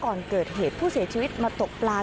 ก่อนเกิดเหตุผู้เสียชีวิตมาตกปลา